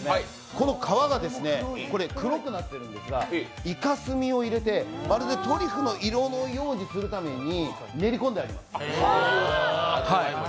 この皮が黒くなっているんですが、いか墨を入れてまるでトリュフの色のようにするために練り込んであります。